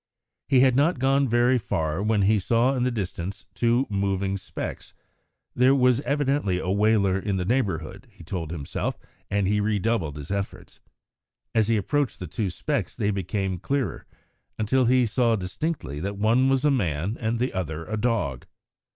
He had not gone very far when he saw in the distance two moving specks. There was evidently a whaler in the neighbourhood, he told himself, and redoubled his efforts. As he approached the two specks they became clearer, until he saw distinctly that one was a man and the other a dog.